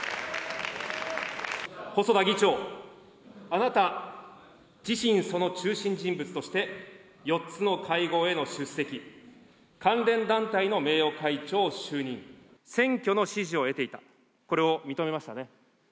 細田議長、あなた自身、その中心人物として、４つの会合への出席、関連団体の名誉会長就任、選挙の支持を得ていた、これを認めましたね。